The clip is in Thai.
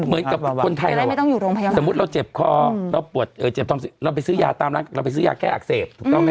เหมือนกับคนไทยเราสมมุติเราเจ็บคอเราไปซื้อยาตามร้านเราไปซื้อยาแค่อักเสบ